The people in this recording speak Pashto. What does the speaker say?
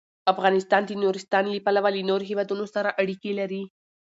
افغانستان د نورستان له پلوه له نورو هېوادونو سره اړیکې لري.